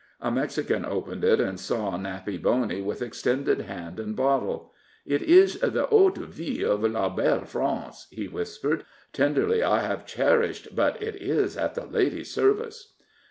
A Mexican opened it, and saw Nappy Boney, with extended hand and bottle. "It is the eau de vie of la belle France," he whispered. "Tenderly I have cherished, but it is at the lady's service."